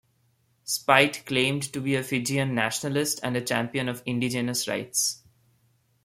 Speight claimed to be a Fijian "nationalist" and a champion of "indigenous rights".